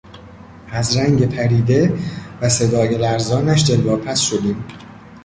از رنگ پریده و صدای لرزانش دلواپس شدیم.